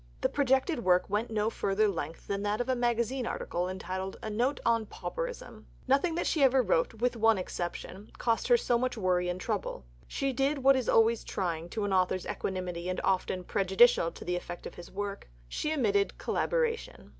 The projected work went to no further length than that of a magazine article entitled "A Note on Pauperism." Nothing that she ever wrote with one exception cost her so much worry and trouble. She did what is always trying to an author's equanimity and often prejudicial to the effect of his work: she admitted collaboration.